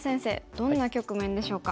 どんな局面でしょうか。